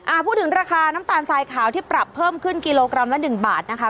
พูดถึงราคาน้ำตาลทรายขาวที่ปรับเพิ่มขึ้นกิโลกรัมละหนึ่งบาทนะคะ